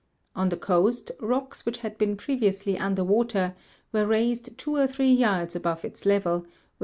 On the coast, rocks which had been previously under water were raised two or three yards above its level, with the mol 5.